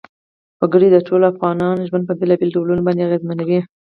وګړي د ټولو افغانانو ژوند په بېلابېلو ډولونو باندې اغېزمنوي.